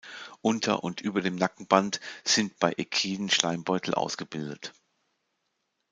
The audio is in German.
Unter und über dem Nackenband sind bei Equiden Schleimbeutel ausgebildet.